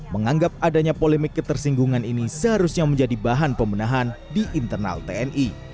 menganggap adanya polemik ketersinggungan ini seharusnya menjadi bahan pemenahan di internal tni